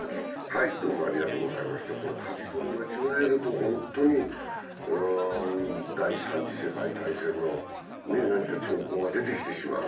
かじ取り間違えると、本当に第三次世界大戦の兆候が出てきてしまう。